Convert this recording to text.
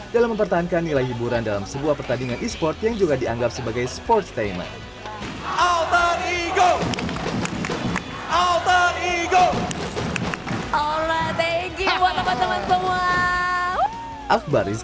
dalam mempertahankan nilai hiburan dalam sebuah pertandingan esports yang juga dianggap sebagai sports entertainment